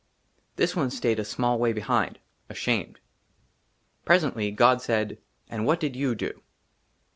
THIS ONE STAYED A SMALL WAY BEHIND, ASHAMED. PRESENTLY, GOD SAID, " AND WHAT DID YOU DO